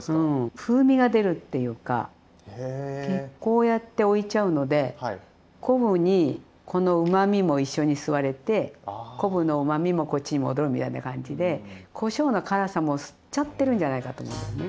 こうやって置いちゃうので昆布にこのうまみも一緒に吸われて昆布のうまみもこっちに戻るみたいな感じでこしょうの辛さも吸っちゃってるんじゃないかと思うんだよね。